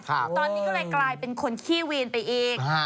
ตอนนี้ก็เลยกลายเป็นคนขี้วีนไปอีก